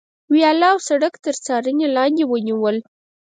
ویاله او سړک تر څارنې لاندې ونیول.